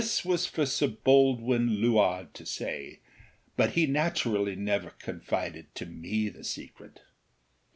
This was for Sir Baldwin Luard to say; but he naturally never confided to me the secret.